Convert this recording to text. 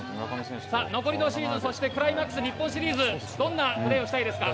残りのシーズン、そしてクライマックス、日本シリーズ、どんなプレーをしたいですか？